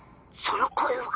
その声は！